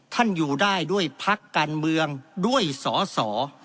ท่านอยู่ได้ด้วยพักการเมืองด้วยสอสอ